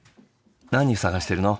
何探しているの？